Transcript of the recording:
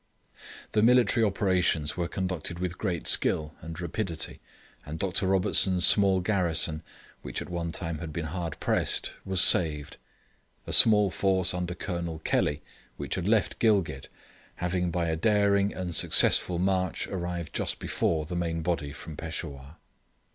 The military operations were conducted with great skill and rapidity, and Dr. Robertson's small garrison, which at one time had been hard pressed, was saved: a small force under Colonel Kelly, which had left Gilgit, having by a daring and successful march arrived just before the main body from Peshawur.